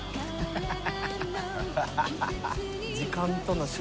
ハハハ